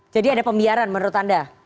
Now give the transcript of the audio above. jadi ada pembiaran menurut anda